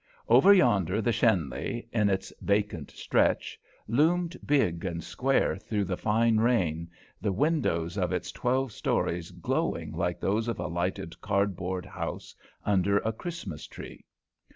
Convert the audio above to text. Over yonder the Schenley, in its vacant stretch, loomed big and square through the fine rain, the windows of its twelve stories glowing like those of a lighted card board house under a Christmas tree.